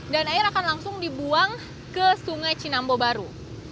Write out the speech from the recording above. dan air akan langsung dibuang ke sungai cinambo baru